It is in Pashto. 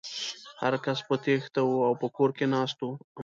هر کس په تېښته و او په کور کې ناست و.